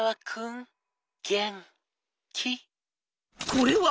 「これは？」。